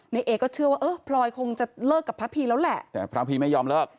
เอก็เชื่อว่าเออพลอยคงจะเลิกกับพระพีแล้วแหละแต่พระพีไม่ยอมเลิก